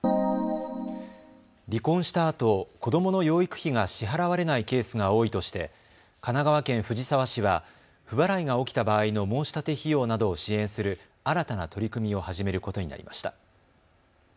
離婚したあと、子どもの養育費が支払われないケースが多いとして神奈川県藤沢市は不払いが起きた場合の申し立て費用などを支援する新たな取り組みを始めることになりました。